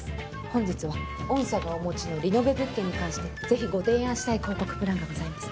本日は御社がお持ちのリノベ物件に関してぜひご提案したい広告プランがございまして。